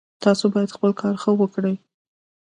تاسو باید خپل کار ښه وکړئ